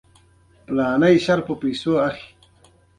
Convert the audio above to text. هلته خپله وېزه تمدیدولای شم.